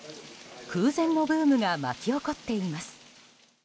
空前のブームが巻き起こっています。